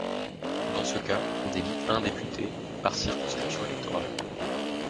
Dans ce cas on élit un député par circonscription électorale.